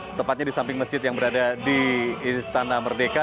setepatnya di samping masjid yang berada di istana merdeka